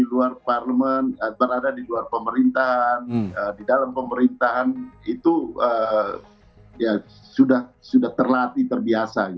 dan berada di luar pemerintahan di dalam pemerintahan itu sudah terlatih terbiasa